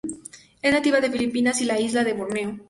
Es nativa de Filipinas y la isla de Borneo.